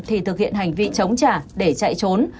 thì thực hiện hành vi chống trả để chạy trốn